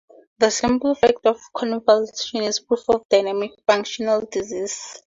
The simple fact of convulsion is proof of dynamic functional disease.